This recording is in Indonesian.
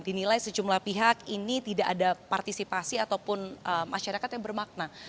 dinilai sejumlah pihak ini tidak ada partisipasi ataupun masyarakat yang bermakna